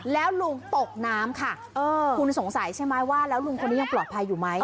แล้วลุงตกน้ำค่ะคุณสงสัยใช่ไหมว่าแล้วลุงคนนี้ยังปลอดภัยอยู่ไหม